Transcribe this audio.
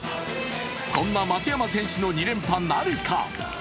そんな松山選手の２連覇なるか？